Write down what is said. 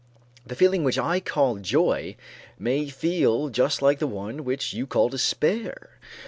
The feeling which I call joy may feel just like the one which you call despair.